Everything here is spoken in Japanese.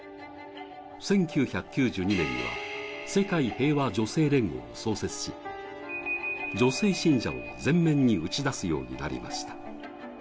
１９９２年には世界平和女性連合を創設し女性信者を前面に打ち出すようになりました。